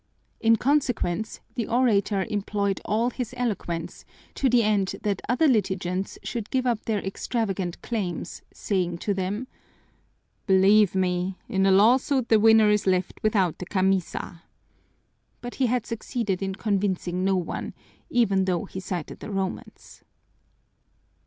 In consequence, the orator employed all his eloquence to the end that other litigants should give up their extravagant claims, saying to them, "Believe me, in a lawsuit the winner is left without a camisa." But he had succeeded in convincing no one, even though he cited the Romans.